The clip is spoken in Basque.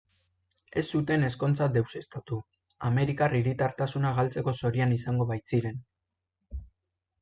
Ez zuten ezkontza deuseztatu, amerikar hiritartasuna galtzeko zorian izango baitziren.